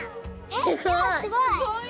すごい。